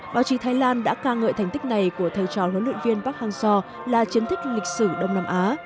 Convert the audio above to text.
báo chí thái lan đã ca ngợi thành tích này của thầy trò huấn luyện viên park hang seo là chiến tích lịch sử đông nam á